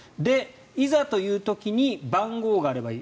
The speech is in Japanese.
いざという時に番号があればいい。